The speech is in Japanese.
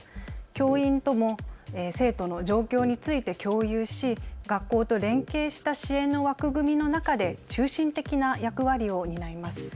教員とも生徒の状況について共有し学校と連携した支援の枠組みの中で中心的な役割を担います。